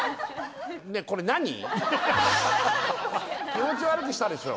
気持ち悪くしたでしょ？